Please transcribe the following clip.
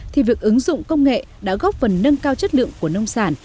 thì việc ứng dụng công nghệ đã góp phần nâng cao chất lượng của nông sản